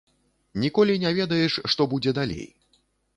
Ніколі не ведаеш, што будзе далей.